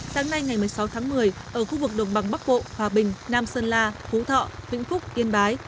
sáng nay ngày một mươi sáu tháng một mươi ở khu vực đồng bằng bắc bộ hòa bình nam sơn la phú thọ vĩnh phúc kiên bái